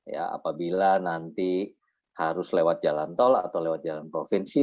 ya apabila nanti harus lewat jalan tol atau lewat jalan provinsi